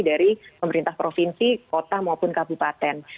dari pemerintah provinsi kota maupun kabupaten